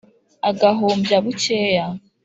agahumbya bukeya